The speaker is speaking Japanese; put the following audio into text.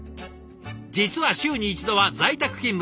実は週に１度は在宅勤務。